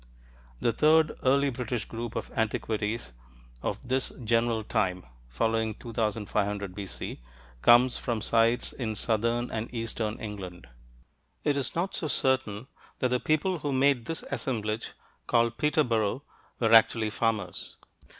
The third early British group of antiquities of this general time (following 2500 B.C.) comes from sites in southern and eastern England. It is not so certain that the people who made this assemblage, called Peterborough, were actually farmers.